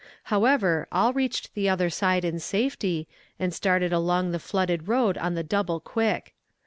However, all reached the other side in safety, and started along the flooded road on the double quick.